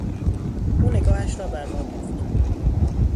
او نگاهش را بر ما دوخت.